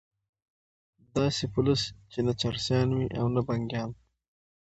داسي پولیس چې نه چرسیان وي او نه بنګیان